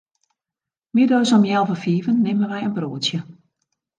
Middeis om healwei fiven nimme wy in broadsje.